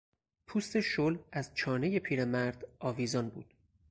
پوست شل از چانهی پیر مرد آویزان بود.